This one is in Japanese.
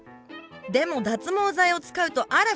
でも脱毛剤を使うとあら不思議。